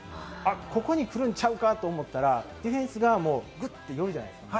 ここに来るんちゃうかと思ったら、ディフェンスがグッて寄るじゃないですか。